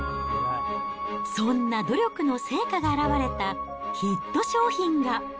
そんな努力の成果が表れたヒット商品が。